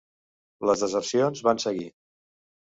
Les desercions van seguir.